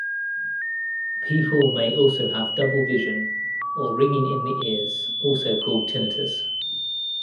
People may also have double vision or ringing in the ears, also called tinnitus.